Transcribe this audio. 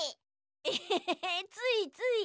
エヘヘついつい。